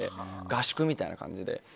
合宿みたいな感じで。